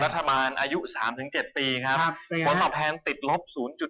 พันธบัตรราชาบานอายุ๓๗ปีครับผลตอบแทนติดลบ๐๖๗